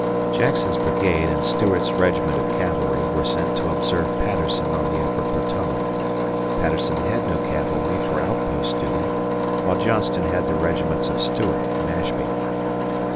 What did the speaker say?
Jackson's brigade and Stuart's regiment of cavalry were sent to observe Patterson on the upper Potomac. Patterson had no cavalry for outpost duty, while Johnston had the regiments of Stuart and Ashby.